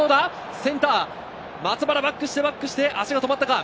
センター・松原、バックして足が止まったか。